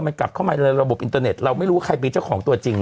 มันกลับเข้ามาในระบบอินเตอร์เน็ตเราไม่รู้ว่าใครเป็นเจ้าของตัวจริง